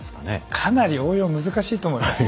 かなり応用は難しいと思います。